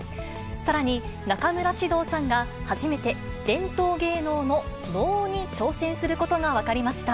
さらに、中村獅童さんが初めて伝統芸能の能に挑戦することが分かりました。